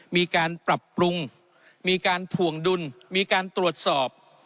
มีการปรับปรุงมีการถ่วงดุลมีการตรวจสอบ